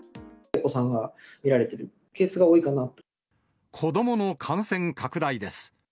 お子さんが診られてるケース子どもの感染拡大です。